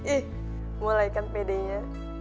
ih mulaikan pd nya